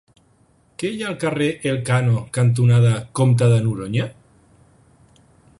Què hi ha al carrer Elkano cantonada Comte de Noroña?